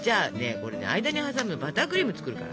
これ間に挟むバタークリーム作るから。